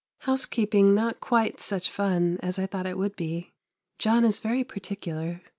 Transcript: House keeping not quite such fun as I thought it would be. John is very particular.